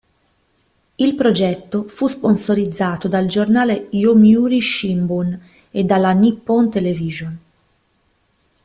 Il progetto fu sponsorizzato dal giornale Yomiuri Shinbun e dalla Nippon Television.